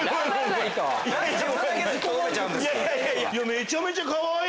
めちゃめちゃかわいい！